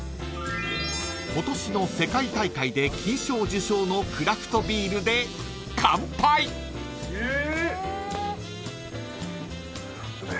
［今年の世界大会で金賞受賞のクラフトビールで乾杯］え！